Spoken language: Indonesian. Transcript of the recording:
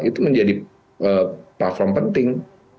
itu menjadi platform penting